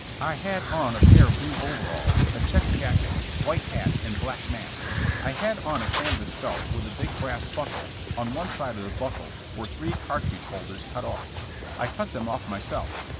I had on a pair of blue overalls, a check jacket, white hat and black mask; I had on a canvas belt with a big brass buckle, on one side of the buckle were three cartridge holders cut off. I cut them off myself.